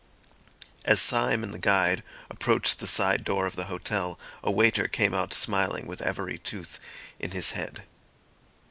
As Syme and the guide approached the side door of the hotel, a waiter came out smiling with every tooth in his head.